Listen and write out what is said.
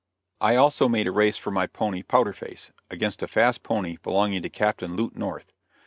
I also made a race for my pony Powder Face, against a fast pony belonging to Captain Lute North.